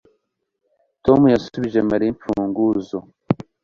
Tom yasubije Mariya imfunguzo